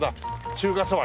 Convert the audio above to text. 「中華そば」。